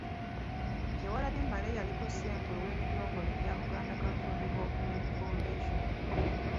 Kyewalabye Male yaliko Ssenkulu w'ekitongole kya Buganda Cultural Development Foundation.